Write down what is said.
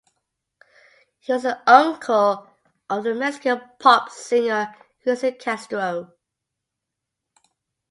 He was the uncle of Mexican pop singer Cristian Castro.